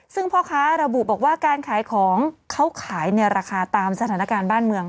ซึ่งพ่อค้าระบุบอกว่าการขายของเขาขายในราคาตามสถานการณ์บ้านเมือง